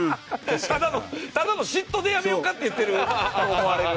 ただのただの嫉妬でやめようかって言ってると思われる。